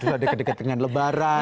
ada kedekatan lebaran